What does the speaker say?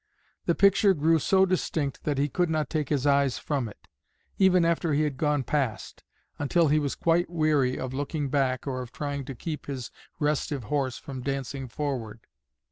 The picture grew so distinct that he could not take his eyes from it, even after he had gone past, until he was quite weary of looking back or of trying to keep his restive horse from dancing forward.